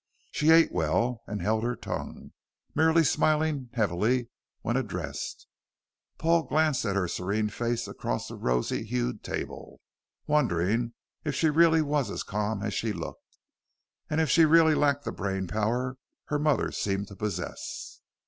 She ate well and held her tongue, merely smiling heavily when addressed. Paul, glancing at her serene face across the rosy hued table, wondered if she really was as calm as she looked, and if she really lacked the brain power her mother seemed to possess.